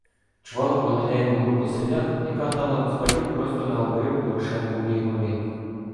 Чвалом доганяємо групу селян, яка гнала москалів просто на обрив До- рошенкової гори.